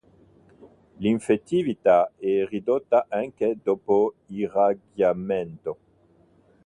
L'infettività è ridotta anche dopo irraggiamento.